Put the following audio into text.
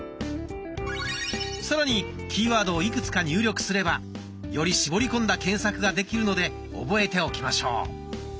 さらにキーワードをいくつか入力すればより絞り込んだ検索ができるので覚えておきましょう。